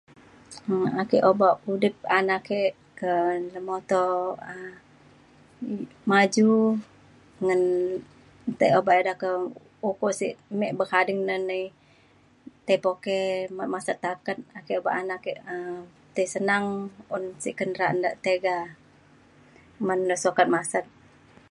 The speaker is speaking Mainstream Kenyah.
um ake obak udip anak ke ke lemuto um m- maju ngan ti obak ida ke ukok sek me bekading na nai tai puke ma- masat taket ake ba’an ake ti senang un sik kenderaan de tiga men le sukat masat